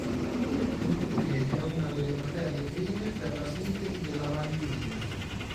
Infine è una delle materie prime per la sintesi della vanillina.